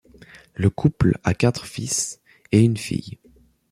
Le couple a quatre fils et une fille.